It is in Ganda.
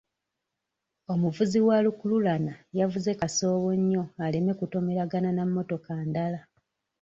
Omuvuzi wa lukululana yavuze kasoobo nnyo aleme kutomeragana na mmotoka ndala.